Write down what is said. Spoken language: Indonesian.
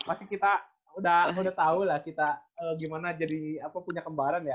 pasti kita udah tahu lah kita gimana jadi punya kembaran ya